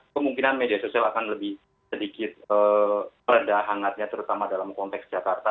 kemungkinan media sosial akan lebih sedikit meredah hangatnya terutama dalam konteks jakarta